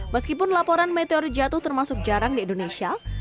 meskipun laporan meteor jatuh termasuk jarang di indonesia